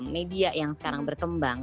media yang sekarang berkembang